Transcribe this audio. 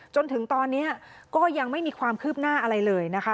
จนถึงตอนนี้ก็ยังไม่มีความคืบหน้าอะไรเลยนะคะ